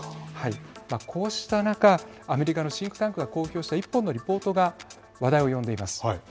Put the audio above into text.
こうした中アメリカのシンクタンクが公表した１本のリポートが話題を呼んでいます。